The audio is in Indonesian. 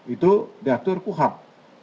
itu diatur kuhab